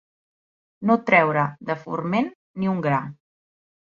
No treure, de forment, ni un gra.